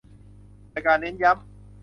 ด้วยการเน้นย้ำ